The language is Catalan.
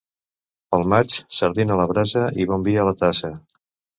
Pel maig, sardina a la brasa i bon vi a la tassa.